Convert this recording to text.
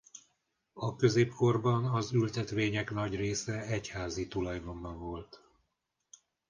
A középkorban az ültetvények nagy része egyházi tulajdonban volt.